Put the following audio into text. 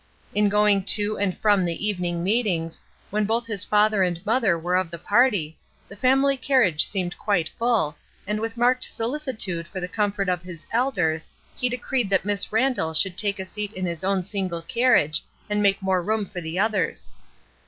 In going to and from the evening meet ings, when both his father and mother were of the party, the family carriage seemed quite full, and with marked solicitude for the com fort of his elders, he decreed that Miss Randall should take a seat in his own single carriage and make more room for the others.